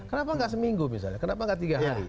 kenapa tidak seminggu misalnya kenapa tidak tiga hari